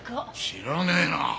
知らねえな。